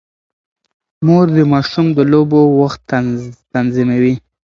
مور د ماشوم د لوبو وخت تنظیموي.